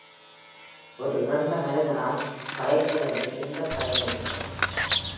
ஒரு இறந்த மனிதனால், பயிரிடுதலில் எந்தப் பயனும் இல்லை.